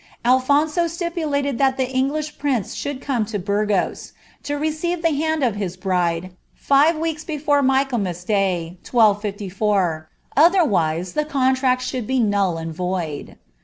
Alphonso stipulated that English prince should come to Burgos, to receive the hand of his Je, five weeks before Michaelmas day, 1254 ; otherwise the contract mid be null and void.